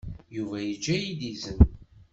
Yuba yejja-iyi-d izen.